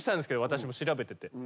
私も調べてて。